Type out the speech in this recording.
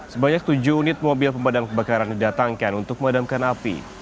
sebanyak tujuh unit mobil pemadam kebakaran didatangkan untuk memadamkan api